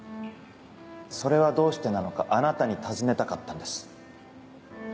それはどうしてなのかあなたに尋ねたかったんです。